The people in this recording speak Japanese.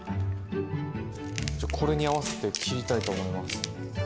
じゃあこれに合わせて切りたいと思います。